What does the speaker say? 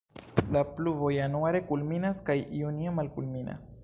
La pluvo januare kulminas kaj junie malkulminas.